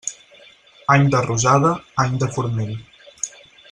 Any de rosada, any de forment.